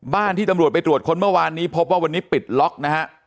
ที่ตำรวจไปตรวจค้นเมื่อวานนี้พบว่าวันนี้ปิดล็อกนะฮะ